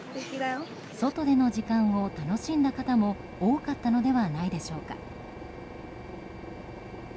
外での時間を楽しんだ方も多かったのではないでしょうか。